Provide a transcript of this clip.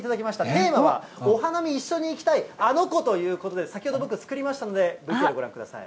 テーマは、お花見一緒に行きたいあの子ということで、先ほど僕、作りましたので、ＶＴＲご覧ください。